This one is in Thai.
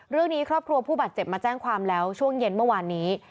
เรื่องนี้ครอบครัวผู้บาดเจ็บมาแจ้งความแล้วช่วงเย็นเมื่อวานนี้